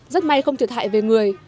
rất may không thiệt hại về người